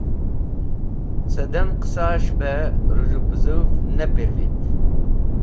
Sidam qẽsas̃h bẽ hẽ z̃hũ pẽzũv ne pirvit.